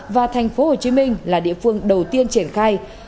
và thành phố hồ chí minh là địa phương đầu tiên triển khai